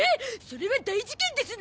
それは大事件ですな！